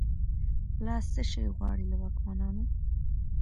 لا« څشي غواړی» له واکمنانو